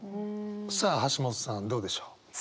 さあ橋本さんどうでしょう？